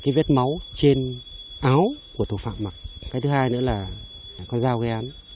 quyết định xác định đối tượng viến không phải đối tượng là thủ phạm gây án